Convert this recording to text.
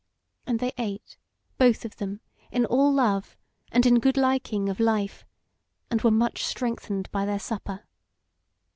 And they ate, both of them, in all love, and in good liking of life, and were much strengthened by their supper.